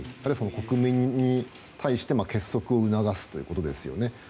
国民に対して結束を促すということですね。